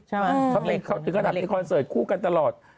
ใช่เขาถูกฆ่าหนับในคอนเสิร์ตคู่กันตลอด